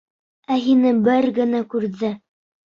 Ә һине бер генә күрҙе.